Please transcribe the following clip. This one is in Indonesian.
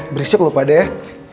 beresip lho pak deh